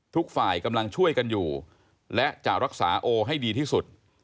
ทุกฝ่ายกำลังช่วยกันอยู่และจะรักษาโอให้ดีที่สุด